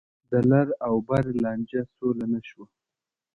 د لر او بر لانجه سوله نه شوه.